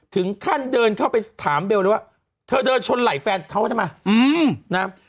ถึงท่านเดินเข้าไปถามเบลว่าเธอเดินชนไหล่แฟนเธอมานะครับ